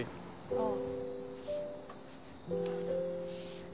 ああ。